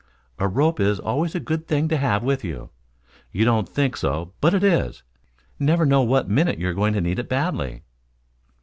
"A rope is always a good thing to have with you. You don't think so, but it is. Never know what minute you are going to need it badly."